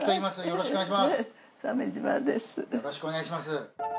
よろしくお願いします。